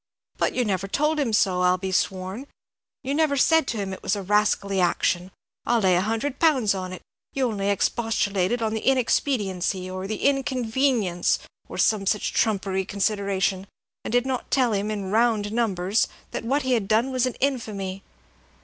"But you never told him so, I'll be sworn, you never said to him it was a rascally action. I'll lay a hundred pounds on it, you only expostulated on the inexpediency, or the inconvenience, or some such trumpery consideration, and did not tell him, in round numbers, that what he had done was an infamy."